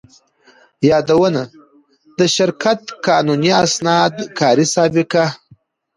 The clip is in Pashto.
يادونه: د شرکت قانوني اسناد، کاري سابقه،